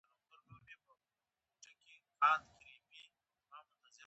له دې نیالګي څخه ساتنه کول د دولت دنده ده.